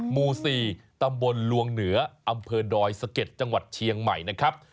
หมู่๔ตำบลลวงเหนืออำเภอดอยสะเก็ดจังหวัดเชียงใหม่นะครับ